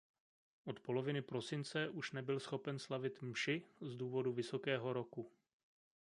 Od poloviny prosince už nebyl schopen slavit mši z důvodu vysokého roku.